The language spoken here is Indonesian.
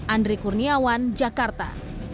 andre kurniawan jakarta